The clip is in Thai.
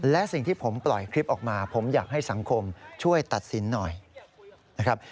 และสิ่งที่ผมปล่อยคลิปออกมาผมอยากให้สังคมช่วยตัดสินหน่อยนะครับ